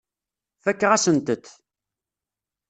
Fakeɣ-asent-t.